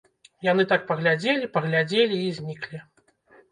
Яны так паглядзелі, паглядзелі і зніклі.